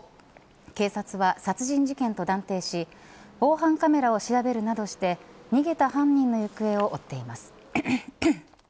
警察は殺人事件と断定し防犯カメラを調べるなどして逃げた犯人の行方を追っています。